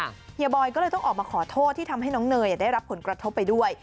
เฮียบอยก็เลยต้องออกมาขอโทษที่ทำให้น้องเนยได้รับผลกระทบไปด้วย